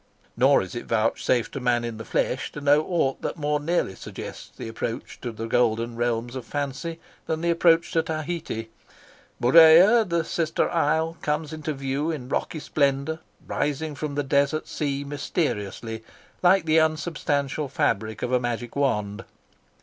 Nor is it vouchsafed to man in the flesh to know aught that more nearly suggests the approach to the golden realms of fancy than the approach to Tahiti. Murea, the sister isle, comes into view in rocky splendour, rising from the desert sea mysteriously, like the unsubstantial fabric of a magic wand.